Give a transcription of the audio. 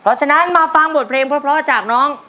เพราะฉะนั้นมาฟังบทเพลงเพราะจากน้อง